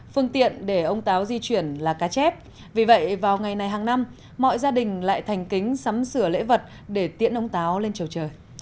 phương tiện để ông táo di chuyển là cá chép vì vậy vào ngày này hàng năm mọi gia đình lại thành kính sắm sửa lễ vật để tiễn ông táo lên trầu trời